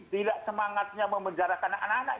tidak semangatnya memenjarakan anak anak